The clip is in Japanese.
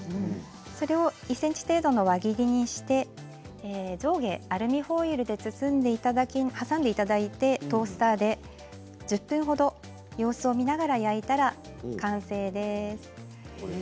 それを１ｃｍ程度の輪切りにして上下をアルミホイルで挟んでいただいてトースターで１０分ほど様子を見ながら焼いたら完成です。